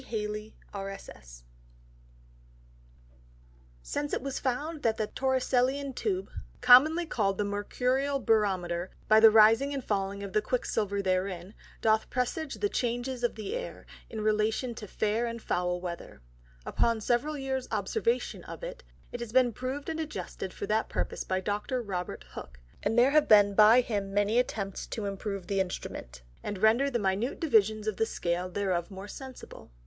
Halley_, R. S. S._ Since it was found that the Torricellian Tube, commonly call'd the Mercurial Barometer, by the rising and falling of the Quick silver therein, doth presage the Changes of the Air, in relation to fair and foul Weather; upon several Years Observation of it, it has been proved and adjusted for that purpose by Dr. Robert Hook; and there have been by him many attempts to improve the Instrument, and render the Minute Divisions on the Scale thereof more sensible.